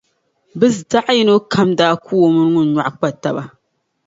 bɛ zaɣ’ yino kam daa ku o mini ŋun nyɔɣu kpa taba.